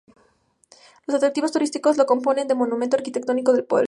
Los atractivos turísticos lo componen, los monumentos arquitectónicos del pueblo.